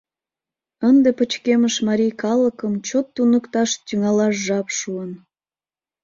Ынде пычкемыш марий калыкым чот туныкташ тӱҥалаш жап шуын.